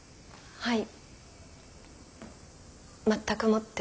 はい。